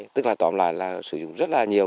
tức là tóm lại là sử dụng rất là nhiều